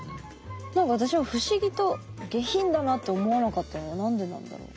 何か私は不思議と下品だなって思わなかったのは何でなんだろう。